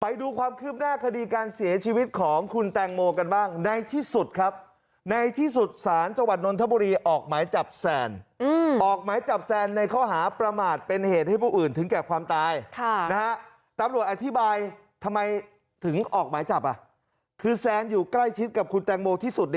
ไปดูความคืบหน้าคดีการเสียชีวิตของคุณแต่งโม